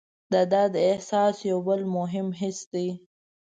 د درد احساس یو بل مهم حس دی.